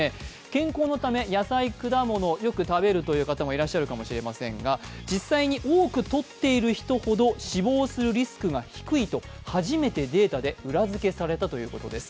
健康のため、野菜・果物をよく食べる方もいらっしゃるかもしれませんが実際に多くとっている人ほど死亡するリスクが低いと、初めてデータで裏付けされたということです。